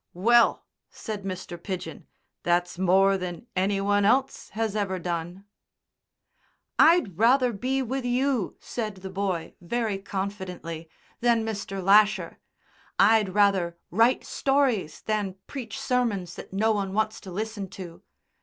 "Well," said Mr. Pidgen, "that's more than any one else has ever done." "I'd rather be with you," said the boy very confidently, "than Mr. Lasher. I'd rather write stories than preach sermons that no one wants to listen to."